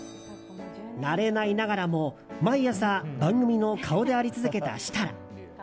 慣れないながらも毎朝番組の顔であり続けた設楽。